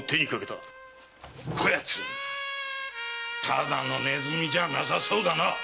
ただの鼠じゃなさそうだな。